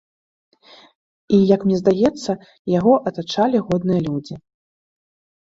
І як мне здаецца, яго атачалі годныя людзі.